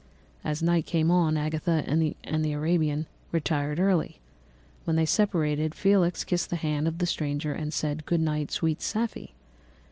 "As night came on, Agatha and the Arabian retired early. When they separated Felix kissed the hand of the stranger and said, 'Good night sweet Safie.